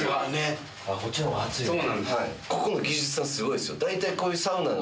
こっちの方が熱いねや。